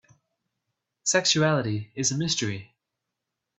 Sexuality is a mystery.